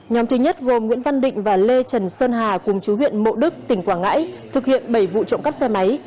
nhóm thứ nhất gồm nguyễn văn định và lê trần sơn hà cùng chú huyện mộ đức tỉnh quảng ngãi thực hiện bảy vụ trộm cắp xe máy